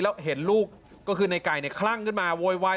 แล้วเห็นลูกก็คือในไก่คลั่งขึ้นมาโวยวาย